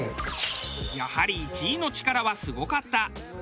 やはり１位の力はすごかった。